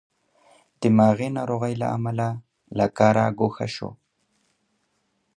دماغې ناروغۍ له امله له کاره ګوښه شو.